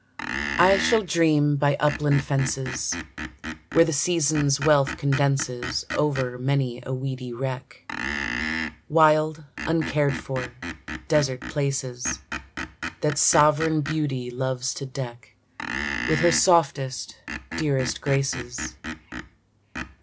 I shall dream by upland fences, Where the season's wealth condenses Over many a weedy wreck, Wild, uncared for, desert places, That sovereign Beauty loves to deck With her softest, dearest graces.